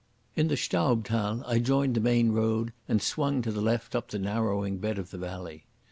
In the Staubthal I joined the main road and swung to the left up the narrowing bed of the valley.